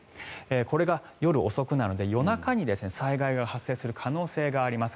これが夜遅くなので夜中に災害が発生する可能性があります。